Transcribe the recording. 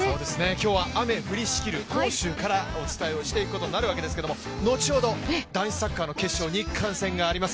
今日は雨降りしきる杭州からお伝えしていくことになるわけですけれども後ほど、男子サッカーの決勝日韓戦があります。